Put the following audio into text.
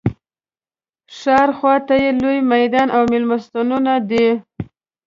ښار خواته یې لوی میدان او مېلمستونونه دي.